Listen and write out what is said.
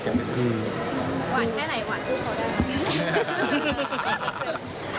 หวานข้างไหนหวานทุกคนได้